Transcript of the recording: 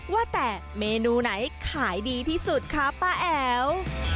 ว่าแต่เมนูไหนขายดีที่สุดคะป้าแอ๋ว